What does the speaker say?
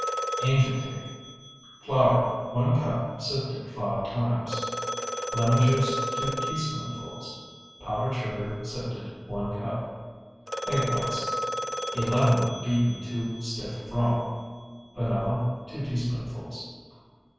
ANGEL CAKE Flour, 1 cup sifted 5 times. Lemon juice, 2 teaspoonfuls. Powdered sugar, sifted, 1 cup. Egg whites, 11 beaten to stiff froth. Vanilla, 2 teaspoonfuls.